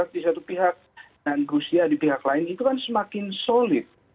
di satu pihak dan rusia di pihak lain itu kan semakin solid